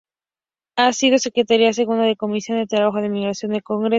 Ha sido secretaria segunda de la Comisión de Trabajo e Inmigración del Congreso.